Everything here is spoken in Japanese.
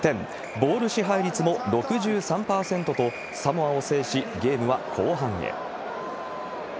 ボール支配率も６３％と、サモアを制し、ゲームは後半へ。